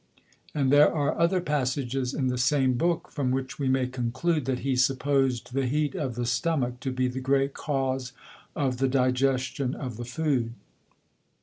And there are other Passages in the same Book, from which we may conclude, that he suppos'd the Heat of the Stomach to be the great Cause of the Digestion of the Food.